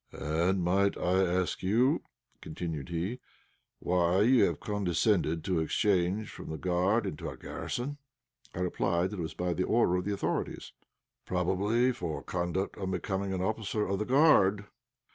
"And might I ask you," continued he, "why you have condescended to exchange from the Guard into our garrison?" I replied that it was by order of the authorities. "Probably for conduct unbecoming an officer of the Guard?"